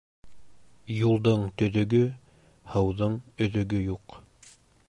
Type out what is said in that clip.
Юлдың төҙөгө, һыуҙың өҙөгө юҡ.